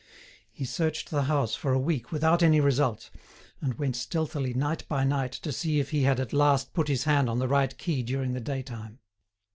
He searched the house for a week without any result, and went stealthily night by night to see if he had at last put his hand on the right key during the daytime.